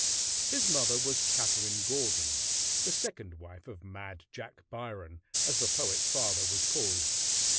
His mother was Catherine Gordon, the second wife of "Mad Jack Byron," as the poet's father was called.